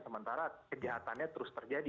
sementara kejahatannya terus terjadi